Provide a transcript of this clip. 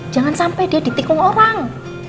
jangan sampai dia ditikung orang